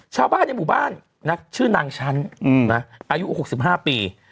ชาวบ้านในหมู่บ้านชื่อนางชั้นอายุ๖๕ปี